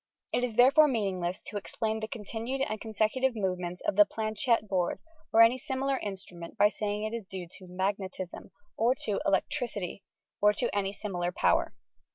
It is there fore meaningless to explain the continued and consecu tive movements of the plaachette board or any similar instrument by saying that it is due to "magnetism" or to "electricity" or to any similar power.